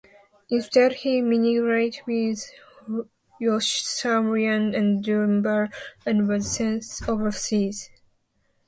Instead, he mingled with Yossarian and Dunbar, and was sent overseas.